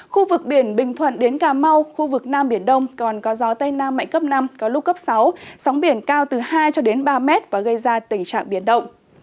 khu vực biển bình thuận đến cà mau khu vực nam biển đông còn có gió tây nam mạnh cấp năm có lúc cấp sáu sóng biển cao từ hai cho đến ba mét và gây ra tình trạng biển động